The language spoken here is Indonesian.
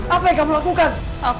apa yang kamu lakukan